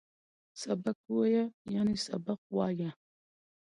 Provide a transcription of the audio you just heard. سبک وویه ، یعنی سبق ووایه